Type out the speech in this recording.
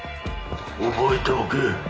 「覚えておけ」